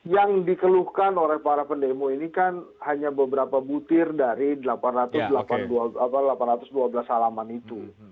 yang dikeluhkan oleh para pendemo ini kan hanya beberapa butir dari delapan ratus dua belas halaman itu